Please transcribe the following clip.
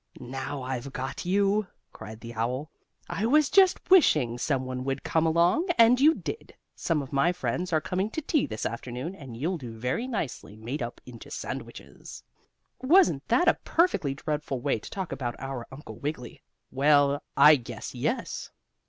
"Now, I've got you!" cried the owl. "I was just wishing some one would come along, and you did. Some of my friends are coming to tea this afternoon, and you'll do very nicely made up into sandwiches." Wasn't that a perfectly dreadful way to talk about our Uncle Wiggily? Well, I guess yes!